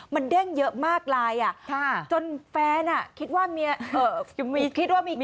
มันเด้งเยอะมากไลน์จนแฟนคิดว่ามีกิ๊ก